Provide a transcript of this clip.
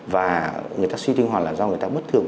và người ta suy tinh hoàn là do người ta bất thường